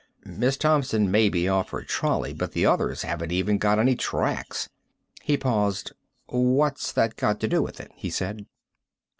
Miss Thompson may be off her trolley, but the others haven't even got any tracks." He paused. "What's that got to do with it?" he said.